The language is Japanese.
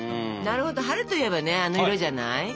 なるほど「春」といえばねあの色じゃない？